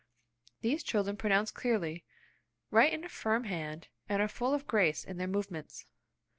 These children pronounce clearly, write in a firm hand, and are full of grace in their movements.